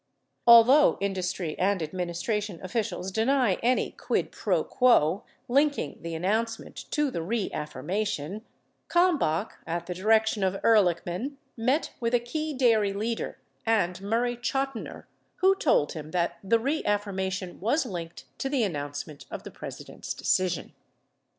Although industry and administration officials deny any quid pro quo linking the announcement to the reaffirmation, Kalmbach, at the di rection of Ehrlichman, met with a key dairy leader and Murray Chotiner who told him that the reaffirmation was linked to the an nouncement of the President's decision.